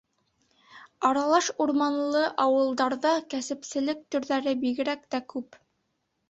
Аралаш урманлы ауылдарҙа кәсепселек төрҙәре бигерәк тә күп.